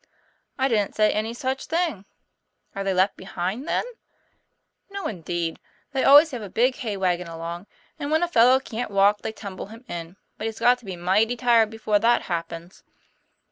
"I didn't say any such thing." " Are they left behind, then ?" "No, indeed; they always have a big hay wagon along; and when a fellow can't walk they tumble him in. But he's got to be mighty tired before that happens."